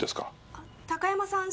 あ高山さん